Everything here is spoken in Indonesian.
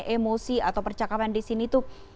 emosi atau percakapan di sini tuh